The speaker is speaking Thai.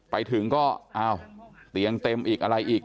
ไปถึงก็อ้าวเตียงเต็มอีกอะไรอีก